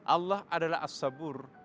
allah adalah as sabur